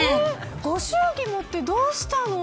ご祝儀持ってどうしたの。